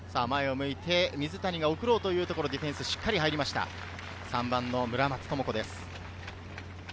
水谷が送ろうというところ、ディフェンスしっかり入りました、３番・村松智子です。